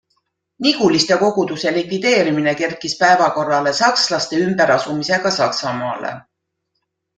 Niguliste koguduse likvideerimine kerkis päevakorrale sakslaste ümberasumisega Saksamaale.